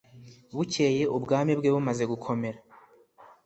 Bukeye ubwami bwe bumaze gukomera